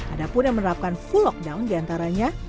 ada pun yang menerapkan full lockdown di antaranya